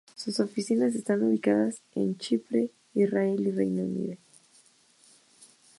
Sus oficinas están ubicadas en Chipre, Israel y el Reino Unido.